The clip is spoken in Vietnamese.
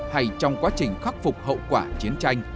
hay trong quá trình khắc phục hậu quả chiến tranh